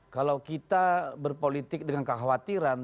kalau kita berpolitik dengan kekhawatiran